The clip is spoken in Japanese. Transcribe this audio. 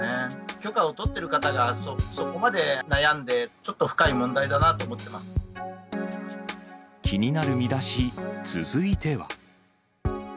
許可を取ってる方がそこまで悩んで、ちょっと深い問題だなと思っ気になるミダシ、続いては。